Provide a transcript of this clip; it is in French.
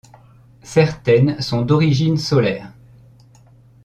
Certaines sont d'origine solaire.